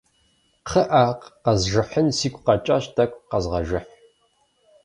КъыӀэ, къэжыхьын сигу къэкӀащ, тӀэкӀу къэзгъэжыхь.